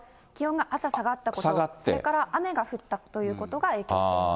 気温が朝下がったこと、それから雨が降ったということが影響